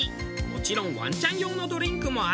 もちろんワンちゃん用のドリンクもあって。